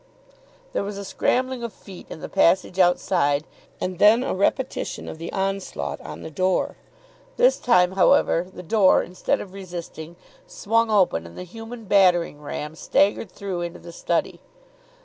There was a scrambling of feet in the passage outside, and then a repetition of the onslaught on the door. This time, however, the door, instead of resisting, swung open, and the human battering ram staggered through into the study.